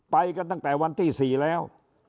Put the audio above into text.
ไปก็ตั้งแต่วันที่สี่แล้ว